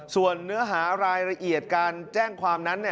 ส่วนเนื้อหารายละเอียดการแจ้งความนั้น